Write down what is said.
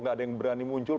nggak ada yang berani muncul